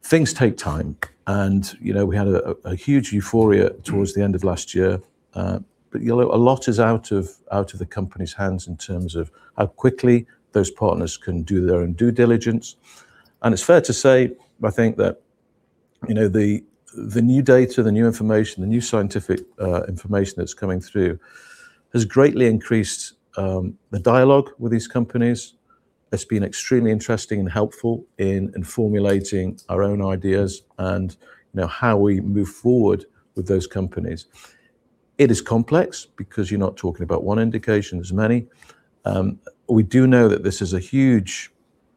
Things take time and, you know, we had a huge euphoria towards the end of last year, but, you know, a lot is out of the company's hands in terms of how quickly those partners can do their own due diligence. It's fair to say, I think that, you know, the new data, the new information, the new scientific information that's coming through has greatly increased the dialogue with these companies. It's been extremely interesting and helpful in formulating our own ideas and, you know, how we move forward with those companies. It is complex because you're not talking about one indication, there's many. We do know that this is a huge,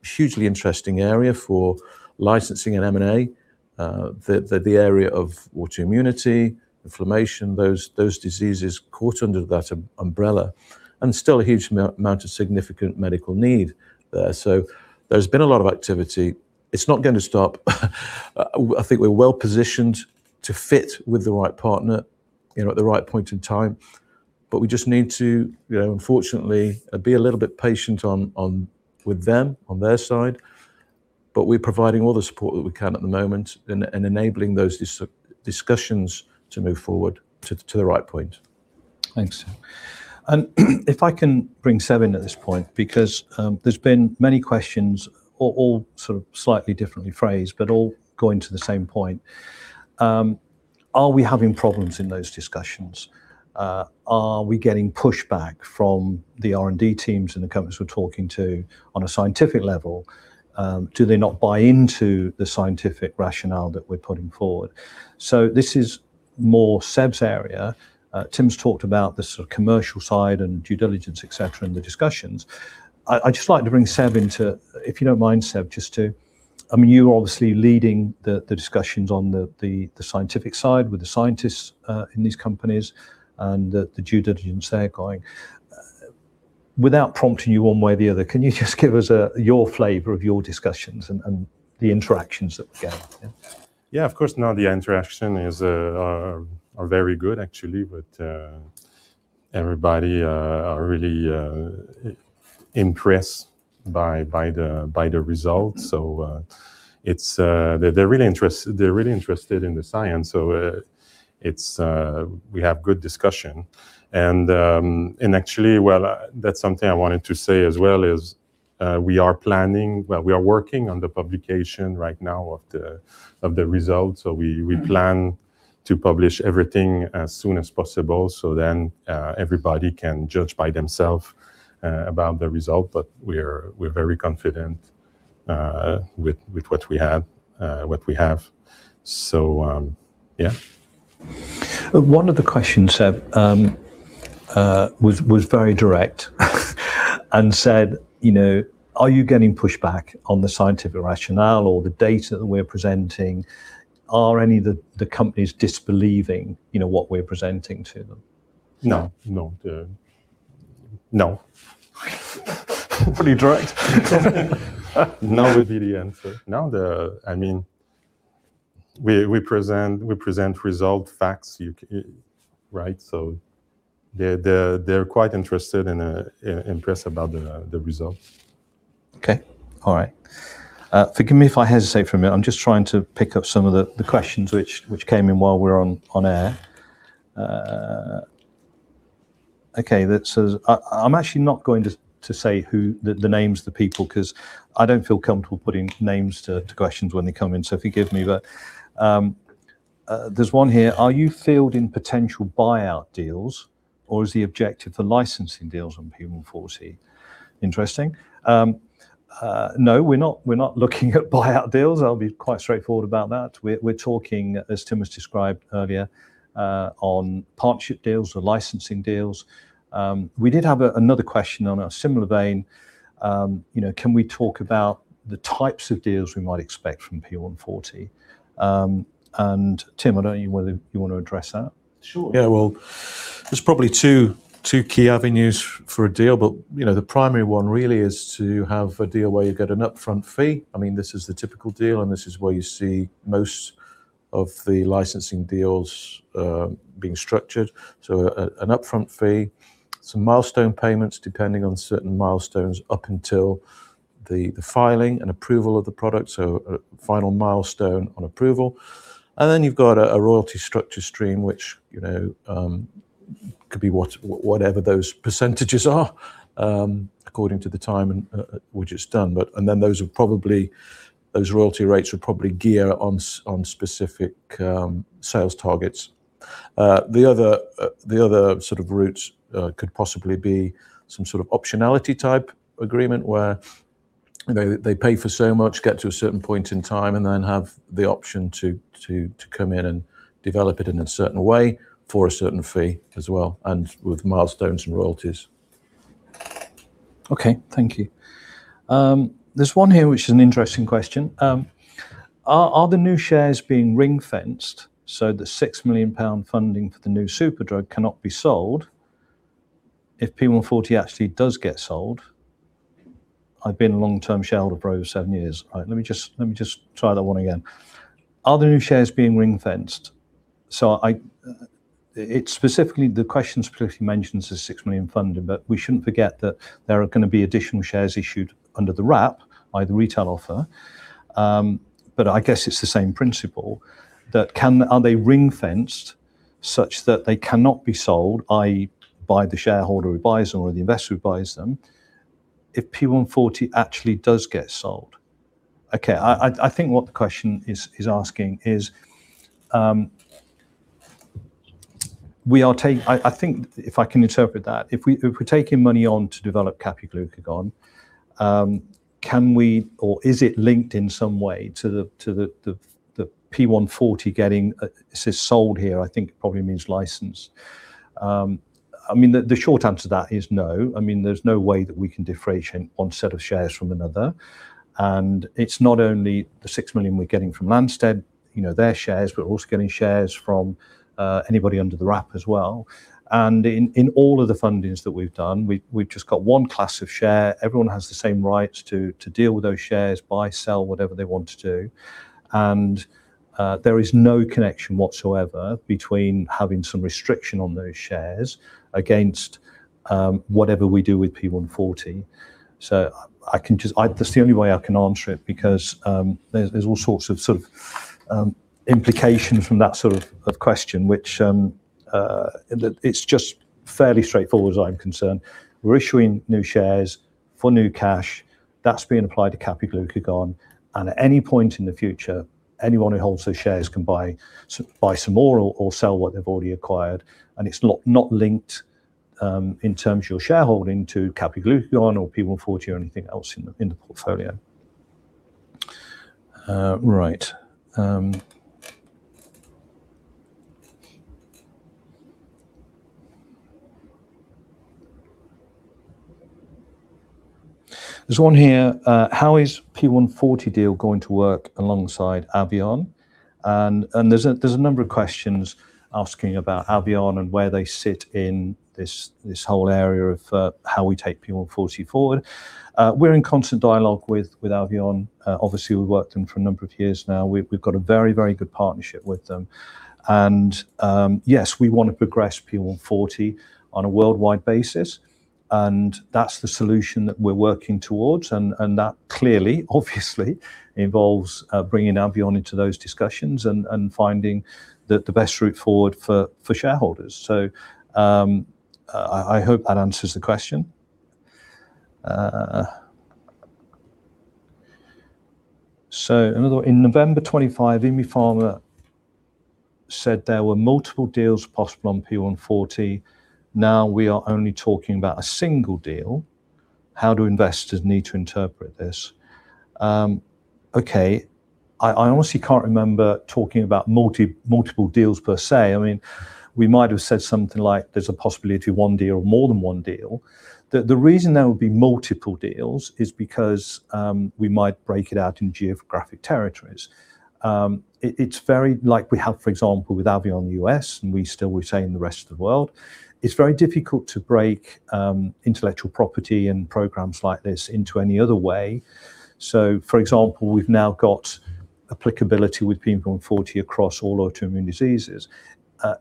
hugely interesting area for licensing and M&A, the area of autoimmunity, inflammation, those diseases caught under that umbrella, and still a huge amount of significant medical need there. There's been a lot of activity. It's not gonna stop. I think we're well-positioned to fit with the right partner, you know, at the right point in time. We just need to, you know, unfortunately, be a little bit patient with them on their side. We're providing all the support that we can at the moment and enabling those discussions to move forward to the right point. Thanks. If I can bring Sébastien in at this point, because there's been many questions all sort of slightly differently phrased, but all going to the same point. Are we having problems in those discussions? Are we getting pushback from the R&D teams and the companies we're talking to on a scientific level? Do they not buy into the scientific rationale that we're putting forward? This is more Sébastien area. Tim's talked about the sort of commercial side and due diligence, et cetera, and the discussions. I'd just like to bring Sébastien in. If you don't mind, Sébastien, just to I mean, you're obviously leading the scientific side with the scientists in these companies and the due diligence they're going. Without prompting you one way or the other, can you just give us, your flavor of your discussions and the interactions that we get? Yeah. Yeah, of course. No, the interactions are very good actually with everybody. They are really impressed by the results. They're really interested in the science. We have good discussions. Actually, well, that's something I wanted to say as well is we are working on the publication right now of the results. So we Mm-hmm. We plan to publish everything as soon as possible, everybody can judge by themselves about the result. We're very confident with what we have. Yeah. One of the questions, Sébastien, was very direct and said, you know, "Are you getting pushback on the scientific rationale or the data that we're presenting? Are any of the companies disbelieving, you know, what we're presenting to them? No. No. No. Pretty direct. No would be the answer. No. We present result facts, right? They're quite interested and impressed about the results. Okay. All right. Forgive me if I hesitate for a minute. I'm just trying to pick up some of the questions which came in while we're on air. Okay. I'm actually not going to say who the names of the people, 'cause I don't feel comfortable putting names to questions when they come in. Forgive me, there's one here. Are you fielding potential buyout deals or is the objective for licensing deals on P140? Interesting. No, we're not looking at buyout deals. I'll be quite straightforward about that. We're talking, as Tim has described earlier, on partnership deals or licensing deals. We did have another question on a similar vein. You know, can we talk about the types of deals we might expect from P140? Tim, I don't know whether you wanna address that? Sure. Yeah. Well, there's probably two key avenues for a deal, but you know, the primary one really is to have a deal where you get an upfront fee. I mean, this is the typical deal, and this is where you see most of the licensing deals being structured. An upfront fee, some milestone payments depending on certain milestones up until the filing and approval of the product. A final milestone on approval. And then you've got a royalty structure stream, which, you know, could be whatever those percentages are, according to the time in which it's done. And then those royalty rates would probably gear on specific sales targets. The other sort of route could possibly be some sort of optionality type agreement where they pay for so much, get to a certain point in time, and then have the option to come in and develop it in a certain way for a certain fee as well, and with milestones and royalties. Okay. Thank you. There's one here, which is an interesting question. Are the new shares being ring-fenced so the 6 million pound funding for the new super drug cannot be sold if P140 actually does get sold? I've been a long-term shareholder for over seven years. All right. Let me just try that one again. Are the new shares being ring-fenced? The question specifically mentions the 6 million funding, but we shouldn't forget that there are gonna be additional shares issued under the wrap by the retail offer. I guess it's the same principle. Are they ring-fenced such that they cannot be sold, i.e., by the shareholder who buys them or the investor who buys them if P140 actually does get sold? Okay. I think what the question is asking is, I think if I can interpret that, if we're taking money on to develop Kapiglucagon, can we or is it linked in some way to the P140 getting it says sold here, I think it probably means licensed. I mean, the short answer to that is no. I mean, there's no way that we can differentiate one set of shares from another. It's not only the 6 million we're getting from Lanstead, you know, their shares, we're also getting shares from anybody under the wrap as well. In all of the fundings that we've done, we've just got one class of share. Everyone has the same rights to deal with those shares, buy, sell, whatever they want to do. There is no connection whatsoever between having some restriction on those shares against whatever we do with P140. That's the only way I can answer it because there's all sorts of sort of implications from that sort of question, which that it's just fairly straightforward as I'm concerned. We're issuing new shares for new cash that's being applied to Kapiglucagon, and at any point in the future, anyone who holds those shares can buy some more or sell what they've already acquired. It's not linked in terms of your shareholding to Kapiglucagon or P140 or anything else in the portfolio. Right. There's one here. How is P140 deal going to work alongside Avion? There's a number of questions asking about Avion and where they sit in this whole area of how we take P140 forward. We're in constant dialogue with Avion. Obviously we've worked with them for a number of years now. We've got a very good partnership with them. Yes, we wanna progress P140 on a worldwide basis, and that's the solution that we're working towards. That clearly, obviously involves bringing Avion into those discussions and finding the best route forward for shareholders. I hope that answers the question. Another one. In November 2025, ImmuPharma said there were multiple deals possible on P140. Now we are only talking about a single deal. How do investors need to interpret this? Okay. I honestly can't remember talking about multiple deals per se. I mean, we might have said something like there's a possibility of one deal or more than one deal. The reason there would be multiple deals is because we might break it out in geographic territories. It's very likely we have, for example, with Avion Pharmaceuticals, and we still say in the rest of the world, it's very difficult to break intellectual property and programs like this into any other way. For example, we've now got applicability with P140 across all autoimmune diseases.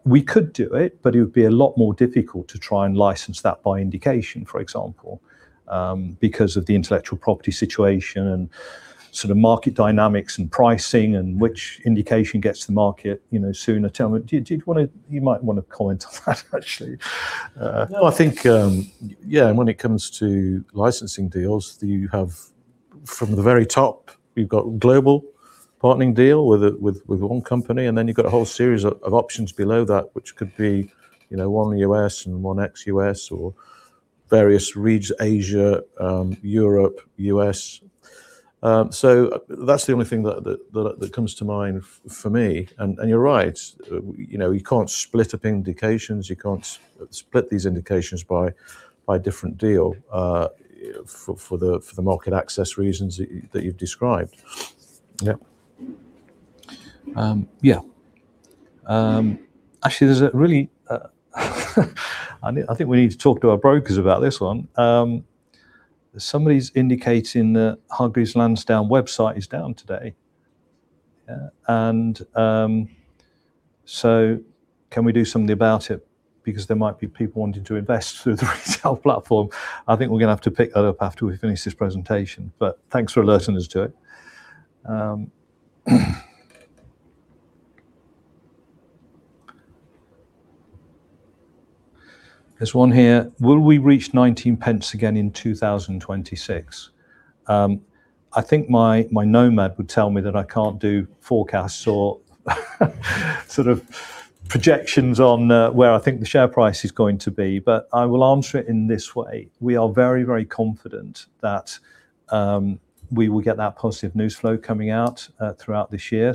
We could do it, but it would be a lot more difficult to try and license that by indication, for example, because of the intellectual property situation and sort of market dynamics and pricing and which indication gets to the market, you know, sooner. Tim, do you wanna... You might wanna comment on that actually. No, I think, yeah, and when it comes to licensing deals, you have from the very top, you've got global partnering deal with one company, and then you've got a whole series of options below that which could be, you know, one U.S. and one ex-US or various regions, Asia, Europe, U.S.. That's the only thing that comes to mind for me. You're right. You know, you can't split up indications. You can't split these indications by different deal for the market access reasons that you've described. Yep. Yeah. Actually, there's a really, I think we need to talk to our brokers about this one. Somebody's indicating that Hargreaves Lansdown website is down today. Can we do something about it? Because there might be people wanting to invest through the retail platform. I think we're gonna have to pick that up after we finish this presentation. Thanks for alerting us to it. There's one here. Will we reach 0.19 Again in 2026? I think my Nomad would tell me that I can't do forecasts or sort of projections on, where I think the share price is going to be, but I will answer it in this way. We are very, very confident that we will get that positive news flow coming out throughout this year.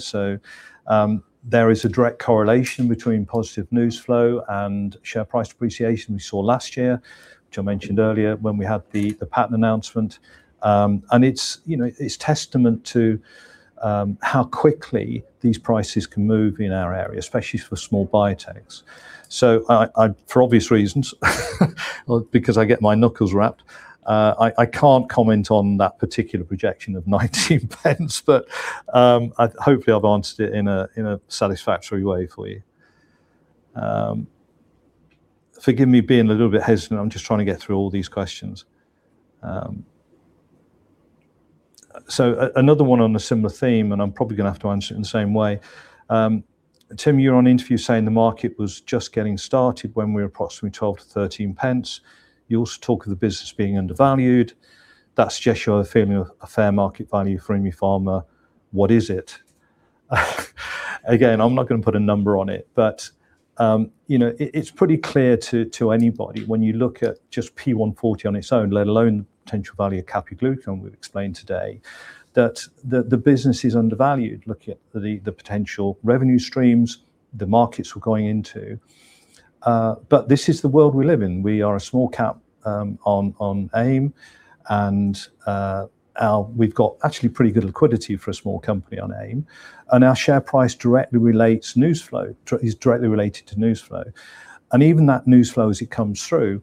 There is a direct correlation between positive news flow and share price appreciation we saw last year, which I mentioned earlier, when we had the patent announcement. It's, you know, testament to how quickly these prices can move in our area, especially for small biotechs. I, for obvious reasons, because I get my knuckles wrapped, I can't comment on that particular projection of 0.19, but hopefully I've answered it in a satisfactory way for you. Forgive me being a little bit hesitant. I'm just trying to get through all these questions. Another one on a similar theme, and I'm probably gonna have to answer it in the same way. Tim, in an interview saying the market was just getting started when we were approximately 0.12-0.13. You also talk of the business being undervalued. That suggests you have a feeling of a fair market value for ImmuPharma. What is it? Again, I'm not gonna put a number on it, but you know, it's pretty clear to anybody when you look at just P140 on its own, let alone potential value of Kapiglucagon we've explained today, that the business is undervalued. Look at the potential revenue streams the markets we're going into. This is the world we live in. We are a small cap on AIM, and we've got actually pretty good liquidity for a small company on AIM, and our share price is directly related to news flow. Even that news flow as it comes through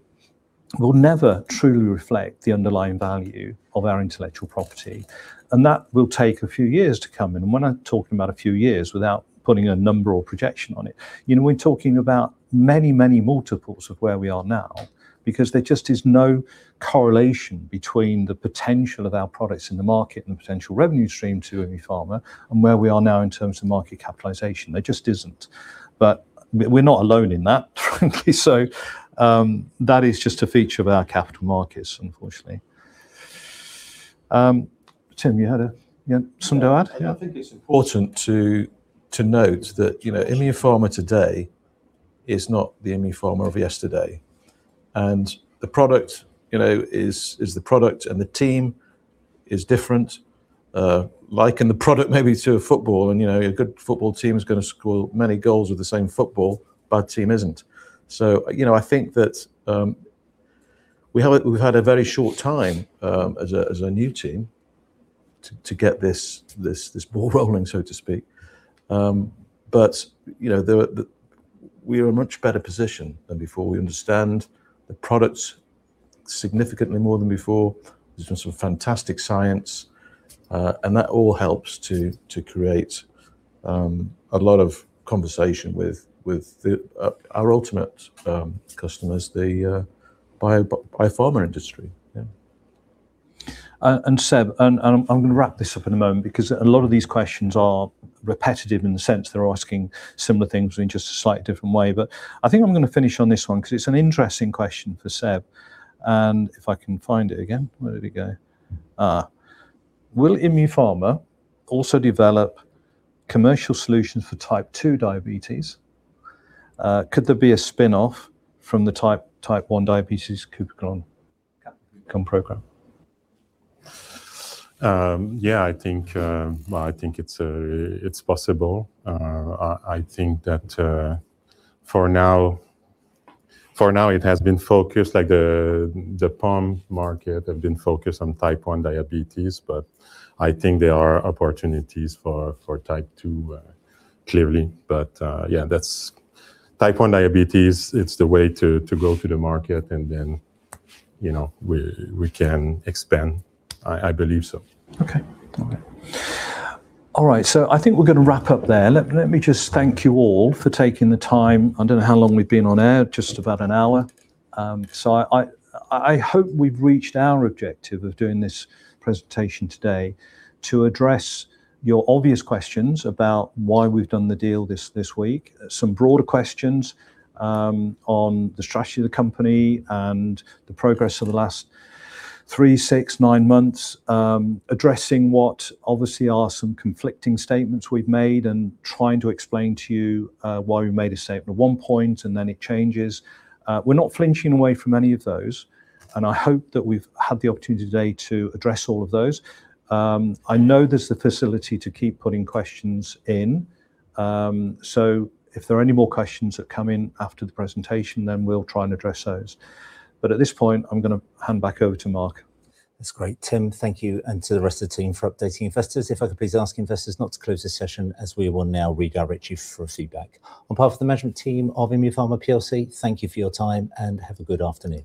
will never truly reflect the underlying value of our intellectual property, and that will take a few years to come in. When I'm talking about a few years, without putting a number or projection on it, you know, we're talking about many, many multiples of where we are now because there just is no correlation between the potential of our products in the market and the potential revenue stream to ImmuPharma and where we are now in terms of market capitalization. There just isn't. We're not alone in that, frankly. That is just a feature of our capital markets, unfortunately. Tim, you had something to add? Yeah. Yeah. I think it's important to note that, you know, ImmuPharma today is not the ImmuPharma of yesterday. The product, you know, is the product and the team is different, liken the product maybe to a football and, you know, a good football team is gonna score many goals with the same football, bad team isn't. You know, I think that, we've had a very short time, as a new team to get this ball rolling, so to speak. You know, we are in a much better position than before. We understand the products significantly more than before. There's been some fantastic science, and that all helps to create a lot of conversation with our ultimate customers, the biopharma industry. Yeah. Sébastien, I'm gonna wrap this up in a moment because a lot of these questions are repetitive in the sense they're asking similar things in just a slightly different way. I think I'm gonna finish on this one 'cause it's an interesting question for Sébastien. If I can find it again. Where did it go? Will ImmuPharma also develop commercial solutions for Type II diabetes? Could there be a spin-off from the Type I diabetes Kapiglucagon program? Yeah, I think, well, I think it's possible. I think that for now, it has been focused, like the pump market have been focused on Type I diabetes, but I think there are opportunities for Type II, clearly. Yeah, that's Type I diabetes, it's the way to go to the market and then, you know, we can expand. I believe so. All right. I think we're gonna wrap up there. Let me just thank you all for taking the time. I don't know how long we've been on air, just about an hour. I hope we've reached our objective of doing this presentation today to address your obvious questions about why we've done the deal this week. Some broader questions on the strategy of the company and the progress of the last three months, six months, nine months, addressing what obviously are some conflicting statements we've made, and trying to explain to you why we made a statement at one point and then it changes. We're not flinching away from any of those, and I hope that we've had the opportunity today to address all of those. I know there's the facility to keep putting questions in, so if there are any more questions that come in after the presentation, then we'll try and address those. At this point, I'm gonna hand back over to Mark. That's great. Tim, thank you, and to the rest of the team for updating investors. If I could please ask investors not to close this session as we will now redirect you for a feedback. On behalf of the management team of ImmuPharma PLC, thank you for your time and have a good afternoon.